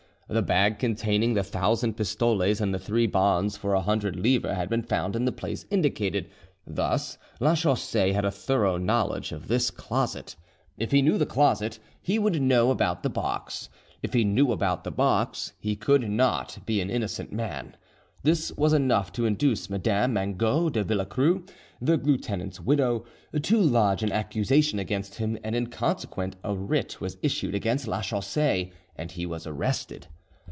The bag containing the thousand pistoles and the three bonds for a hundred livres had been found in the place indicated; thus Lachaussee had a thorough knowledge of this closet: if he knew the closet, he would know about the box; if he knew about the box, he could not be an innocent man. This was enough to induce Madame Mangot de Villarceaux, the lieutenant's widow, to lodge an accusation against him, and in consequence a writ was issued against Lachaussee, and he was arrested.